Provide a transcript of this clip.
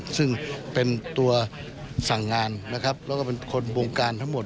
ซึ่งเป็นตัวสั่งงานและเป็นคนวงการทั้งหมด